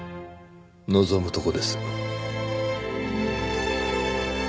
望むとこです。